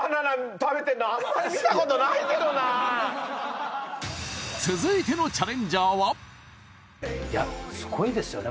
食べてんのあんまり見たことないけどな続いてのチャレンジャーはいやすごいですよね